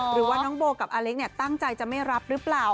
หรือว่าน้องโบกับอเล็กตั้งใจจะไม่รับหรือเปล่า